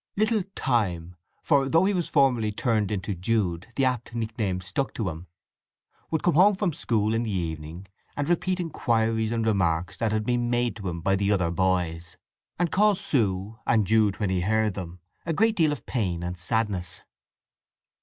Little Time—for though he was formally turned into "Jude," the apt nickname stuck to him—would come home from school in the evening, and repeat inquiries and remarks that had been made to him by the other boys; and cause Sue, and Jude when he heard them, a great deal of pain and sadness.